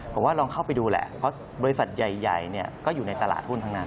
ผมว่าลองเข้าไปดูแหละเพราะบริษัทใหญ่ก็อยู่ในตลาดหุ้นทั้งนั้น